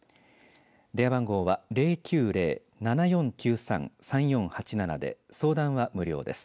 電話番号は０９０‐７４９３‐３４８７で相談は無料です。